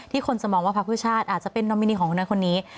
ที่คนจะมองว่าพระพฤชาติอาจจะเป็นนมินีของคนนั้นคนนี้